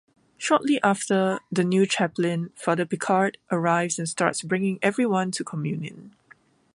Shortly after, the new Chaplain, Father Picard, arrives and starts bringing everyone to communion.